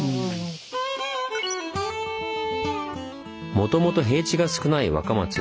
もともと平地が少ない若松。